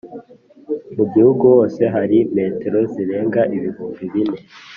mu gihugu hose hari metero zirenga ibihumbi bine